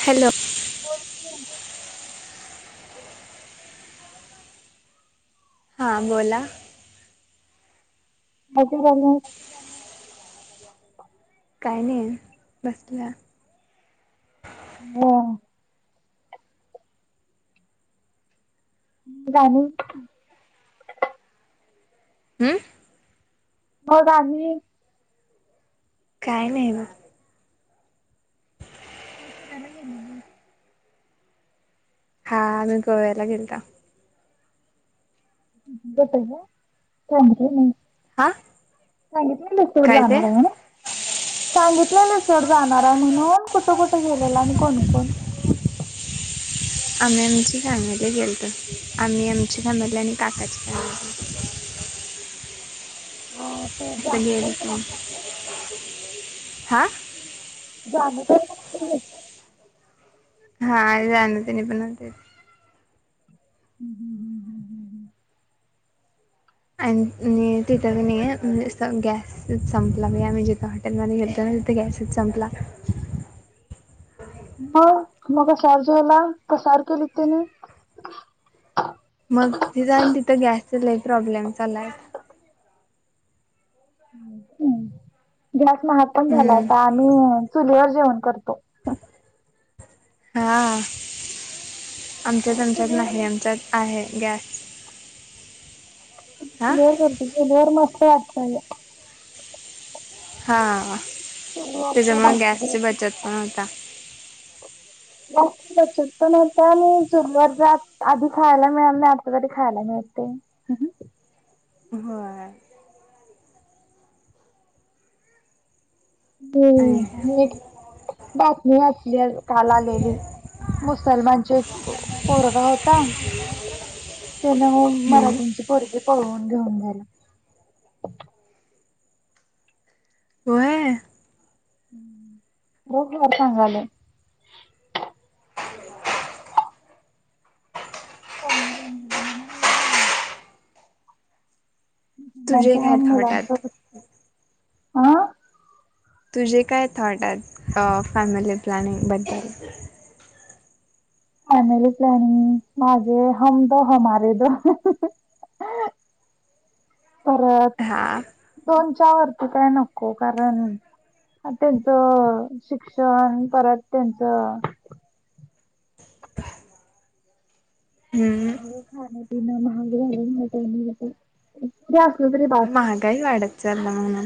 Hello बोल की हां बोला माजे आला काही नाही बसल्या हो गणी हम्म हो का काय नाही ना कस करा गेली हा मी गोव्याला गेलते बत मते नाही हा सांगितल्या लसतेवर काय ते जाणार आहे म्हणा सांगितलं लस च जाणार आहे म्हणून कुठ कुठं गेलेला आणि कोणकण आम्ही आमची फॅमिली गेलतो आम्ही आमची फॅमिली आणि काकाची फॅमली गेतो गेलतो [unintelligible] [unintelligible] हां जन तर हा जानु तेनी पण होते हम्म हम्म हम्म हम्म हम्म हम्म आणि तिथं नाही म्हणजे गॅसच संपला भ आम्ही जिथे हॉटेलमध्ये घेतलो ना तिथे गॅसच संपला मग मग सार जेवला प सार केली त्याने मग तिथं आणि तिथं गॅसचा लही प्रॉब्लेम झालाय हम् महाग पण झाला आहे आता आम्ही चुलीवर जेवण करतो हा आमच्यात आमच्यात नाही चुलीवर आमच्यात आहे गॅस हा र करतेर चुलीवर मस्त [unintelligible] हा चुलीवरच्या त्याच्यामुळ गॅसची भाकरी बचत पण होता जास्त बचत प न होता आणि सुरुवात आधी खायला मिळाल नाही आता तरी खायला मिळते हो हम्म आणि का मी एक बातमी वाचली काल आलेली मुसलमानचे एक पोरगा होता त्याने हम्म मराठीची पोरगी पळवून घेऊन गेला होय होघ सांग आलं [unintelligible] तुझे म्हणजे हा काय थॉट मुलांचा आहेत? [unintelligible] आ तुझे काय थॉट आहेत फॅमिली प्लॅनिंग बद्दल. फॅमिली प्लॅनिंग माझ, हम दो हमारे दो. [unintelligible] परत हा दोन च्या वरती काय नको, कारण त्यांच शिक्षण परत त्यांच हम्म खाणं पिणं महाग झालंय [unintelligible] महागाई वाढत [unintelligible]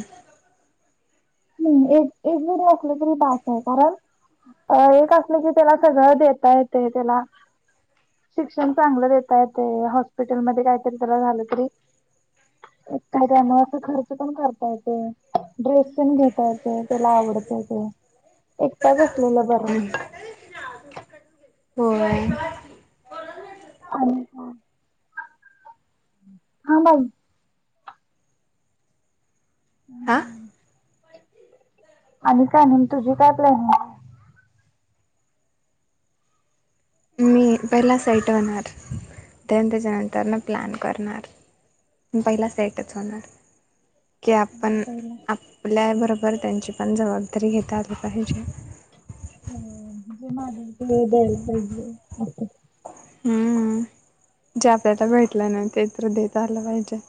ह् एक, एक जरी असलं तरी बासय, कारण एक असलं तरी त्याला सगळं देता येतय, त्याला शिक्षण चांगलं देता येतय, हॉस्पिटल मध्ये काहीतरी त्याला झालं तरी का त्यामुळे अस खर्च पण करता येतय, ड्रेस पण घेत येतय त्याला आवडतय ते. एकटाच असलेलं बरं. होय [unintelligible] हा [unintelligible] आणि काय नाहीे तुझी काय प्लॅनिंगय? मी पहिला सेट होणार, देन त्याच्यानंतरन प्लॅन करणार. पहिला सेटच होणार. की आपण आहे आपल्या बरो वर त्यांची पण जबाबदारी घेता आली पाहिजे. ह म्ह जे माझ [unintelligible] ते द्यायला पाहिजे. आता हम्, जे आपल्याला भेटलं ना ते तर देता आलं पाहिजे.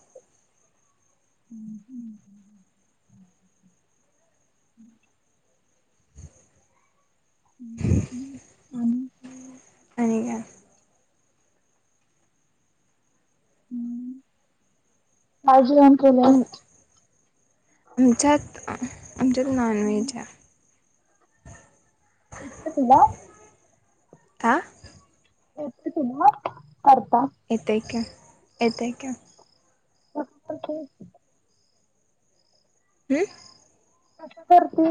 [unintelligible] [unintelligible] आणि काय? [unintelligible] प्लॅन केल आमच्यात आमच्यात नॉनव्हेजा [unintelligible] तुला आ [unintelligible] येतय की, येेतय की. [unintelligible] ह कसं करती?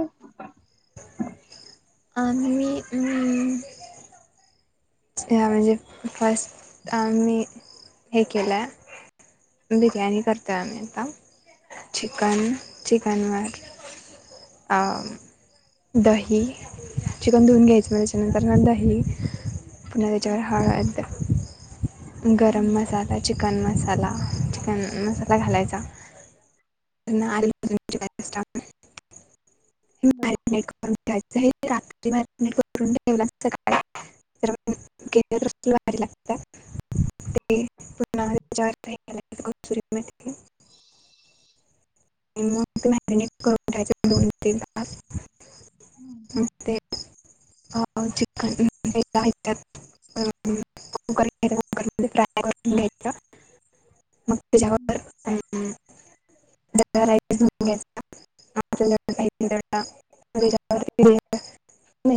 आम्ही अंम हा म्हणजे फस्ट आम्ही हे केलंय, बिर्याणी करतोय आम्ही आता, चिकन, चिकनवर आ दही, चिकन धुवन घ्यायचं, मग त्याच्यानंतर म दही पुन्हा त्याच्यावर हळद गरम हम्म. मसाला, चिक कन मसाला, चिकन मसाला घालायचा. [unintelligible] [unintelligible] [unintelligible] [unintelligible] स्टेटमेंट की [inaudible] तेल असता नस्ते [unintelligible] अ चिकन फ्राय करून त्यातॳ कुकर पॅक करून घ्यायचा [inaudible] राईस धुऊन घ्यायचा आपल्या [inaudible]